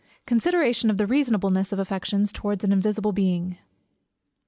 _Consideration of the Reasonableness of Affections towards an invisible Being.